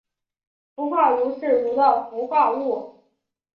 氟化铷是铷的氟化物。